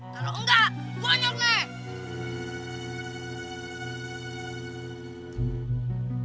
kalau nggak gue nyuruh nek